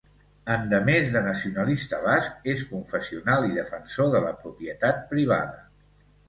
Endemés de nacionalista basc, és confessional i defensor de la propietat privada.